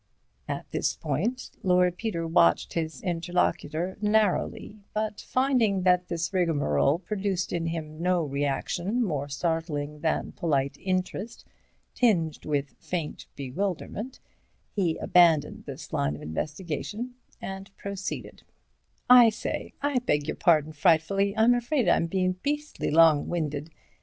At this point, Lord Peter watched his interlocutor narrowly, but finding that this rigmarole produced in him no reaction more startling than polite interest tinged with faint bewilderment, he abandoned this line of investigation, and proceeded: "I say, I beg your pardon, frightfully—I'm afraid I'm bein' beastly long winded.